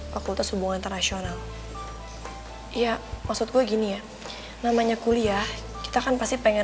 fakultas hubungan internasional ya maksudku gini ya namanya kuliah kita kan pasti pengen